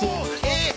えっ！？